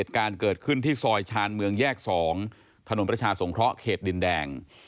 การเกิดขึ้นที่ซอยชาญเมืองแยก๒ถนนประชาสงเคราะห์เขตดินแดง